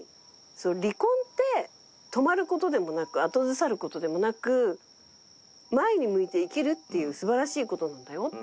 離婚って止まる事でもなく後ずさる事でもなく前に向いて生きるっていう素晴らしい事なんだよ。